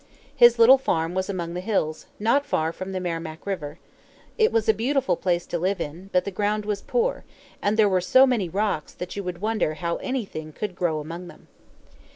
His little farm was among the hills, not far from the Merrimac River. It was a beautiful place to live in; but the ground was poor, and there were so many rocks that you would wonder how anything could grow among them.